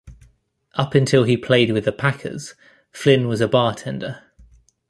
Up until he played with the Packers, Flinn was a bartender.